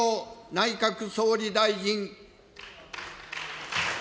内閣総理大臣。